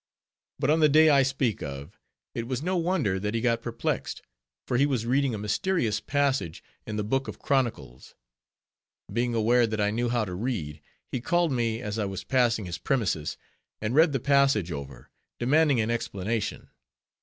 But on the day I speak of, it was no wonder that he got perplexed, for he was reading a mysterious passage in the Book of Chronicles. Being aware that I knew how to read, he called me as I was passing his premises, and read the passage over, demanding an explanation.